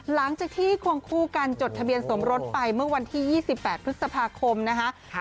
หลังจากที่ควงคู่กันจดทะเบียนสมรสไปเมื่อวันที่๒๘พฤษภาคมนะคะ